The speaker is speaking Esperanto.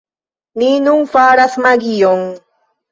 Ni nun faras magion